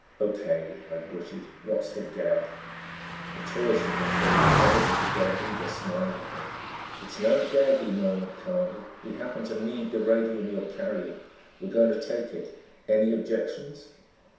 "Okay," I gritted, "what's the gag?" The tallest of the three, evidently their leader, smiled at me. "It's no gag," he murmured calmly, "we happen to need the radium you're carrying. We're going to take it. Any objections?"